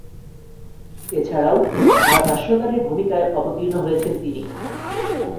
এছাড়াও, ধারাভাষ্যকারের ভূমিকায় অবতীর্ণ হয়েছেন তিনি।